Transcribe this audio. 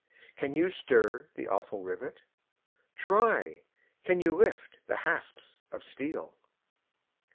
can you stir the awful rivet? Try! can you lift the hasps of steel?